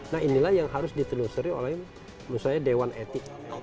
nah inilah yang harus ditelusuri oleh menurut saya dewan etik